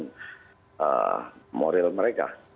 menurunkan moral mereka